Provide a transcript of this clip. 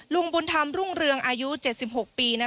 ลุงบุญธรรมรุ่งเรืองอายุ๗๖ปี